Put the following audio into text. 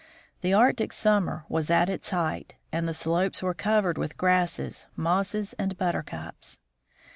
The Arctic summer was at its height, and the slopes were covered with grasses, mosses, and buttercups.